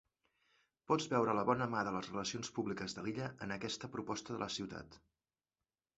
Pots veure la bona mà de les relacions públiques de l'illa en aquesta proposta de la ciutat.